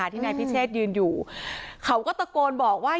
ที่นายพิเชษยืนอยู่เขาก็ตะโกนบอกว่า